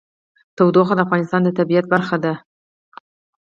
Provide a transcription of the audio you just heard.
تودوخه د افغانستان د طبیعت برخه ده.